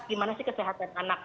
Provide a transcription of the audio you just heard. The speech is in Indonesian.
gimana sih kesehatan anak